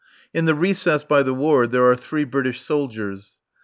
In the recess by the ward there are three British soldiers.